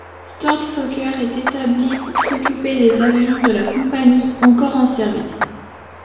Stork Fokker est établie pour s'occuper des avions de la compagnie encore en service.